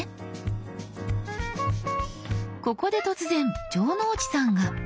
ここで突然城之内さんが。